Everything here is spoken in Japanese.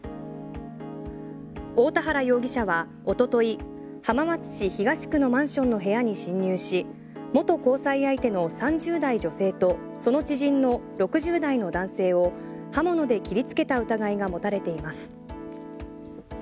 大田原容疑者は、おととい浜松市東区のマンションの部屋に侵入し元交際相手の３０代女性とその知人の６０代の男性を刃物で切りつけた疑いが持たれています。